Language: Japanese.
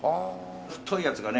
太いやつがね